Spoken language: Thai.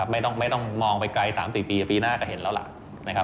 ไม่ต้องมองไปไกล๓๔ปีปีหน้าก็เห็นแล้วล่ะนะครับ